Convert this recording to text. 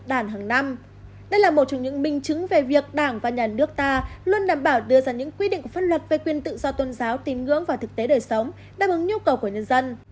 đây là một trong những minh chứng về việc đảng và nhà nước ta luôn đảm bảo đưa ra những quy định pháp luật về quyền tự do tôn giáo tin ngưỡng và thực tế đời sống đáp ứng nhu cầu của nhân dân